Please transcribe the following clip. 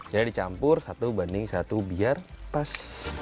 jadi dicampur satu banding satu biar pas